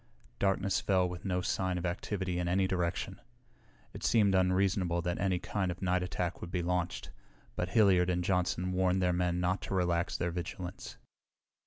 Darkness fell with no sign of activity in any direction. It seemed unreasonable that any kind of night attack would be launched, but Hilliard and Johnson warned their men not to relax their vigilance.